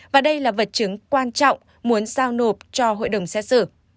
và đây là vật chứng quan trọng muốn giao nộp cho hội đồng xét xử